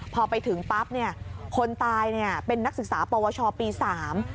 พอไปถึงปั๊บเนี่ยคนตายเนี่ยเป็นนักศึกษาปวชปีสาม